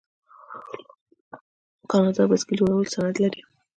کاناډا د بایسکل جوړولو صنعت لري.